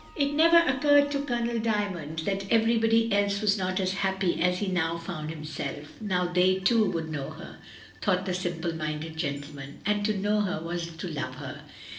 2l6 MRS. DYMOND. It never occurred to Colonel Dymond that every body else was not as happy as he now found him self. Now they, too, would know her, thought the simple minded gentleman, and to know her was to love her.